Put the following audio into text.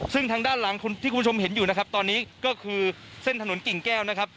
ซึ่งทางด้านหลังที่คุณผู้ชมเห็นอยู่นะครับตอนนี้ก็คือเส้นถนนกิ่งแก้วนะครับ